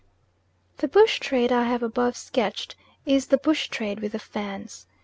The bush trade I have above sketched is the bush trade with the Fans.